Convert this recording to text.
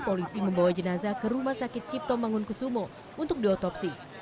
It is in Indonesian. polisi membawa jenazah ke rumah sakit ciptom bangun kusumo untuk diotopsi